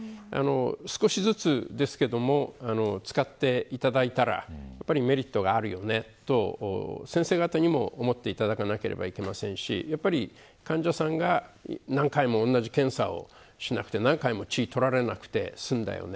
少しずつですが使っていただいたらメリットがあるよねと先生方にも思っていただけれなければいけませんし患者さんが何回も同じ検査をしなくて何回も血を取られなくて済んだよね。